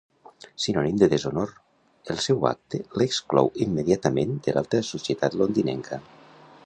Sinònim de deshonor, el seu acte l'exclou immediatament de l'alta societat londinenca.